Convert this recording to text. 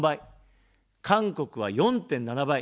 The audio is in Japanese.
韓国は４．７倍。